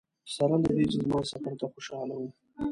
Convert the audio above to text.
سره له دې چې زما سفر ته خوشاله وه.